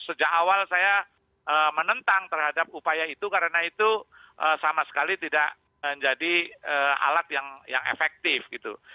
sejak awal saya menentang terhadap upaya itu karena itu sama sekali tidak menjadi alat yang efektif gitu